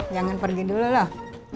jangan pergi dulu loh